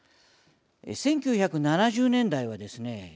１９７０年代はですね